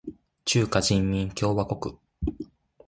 中華人民共和国